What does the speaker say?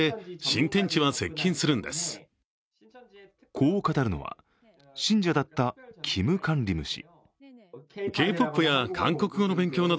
こう語るのは、信者だったキム・カンリム氏。